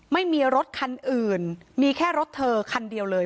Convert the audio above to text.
ไม่มีรถคันอื่นมีแค่รถเธอคันเดียวเลย